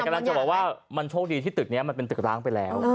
กำลังจะบอกว่ามันโชคดีที่ตึกนี้มันเป็นตึกร้างไปแล้ว